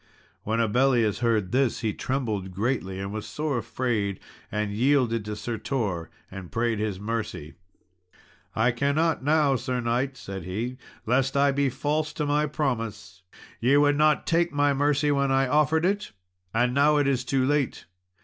When Abellius heard this, he trembled greatly, and was sore afraid, and yielded to Sir Tor, and prayed his mercy. "I cannot now, Sir knight," said he, "lest I be false to my promise. Ye would not take my mercy when I offered it; and now it is too late."